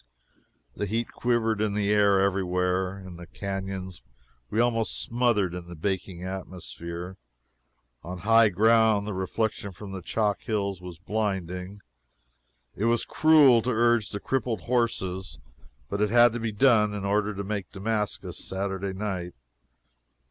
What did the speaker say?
The heat quivered in the air every where. In the canons we almost smothered in the baking atmosphere. On high ground, the reflection from the chalk hills was blinding. It was cruel to urge the crippled horses, but it had to be done in order to make Damascus Saturday night.